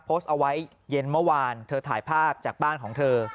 โพสต์เอาไว้เย็นเมื่อวานเธอถ่ายภาพจากบ้านของเธอ